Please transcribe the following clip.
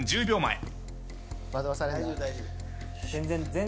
５０秒前。